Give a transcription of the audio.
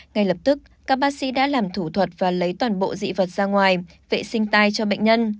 ngay lập tức các bác sĩ đã làm thủ thuật và lấy toàn bộ dị vật ra ngoài vệ sinh tay cho bệnh nhân